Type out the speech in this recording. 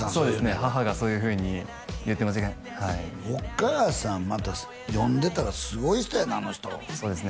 母がそういうふうに言ってお母さんまた読んでたらすごい人やなあの人そうですね